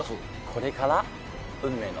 これから運命の。